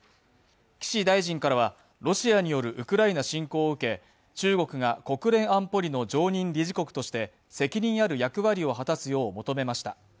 岸大臣からは、ロシアによるウクライナ侵攻を受け、中国が国連安保理の常任理事国として責任ある役割を果たすよう求めました。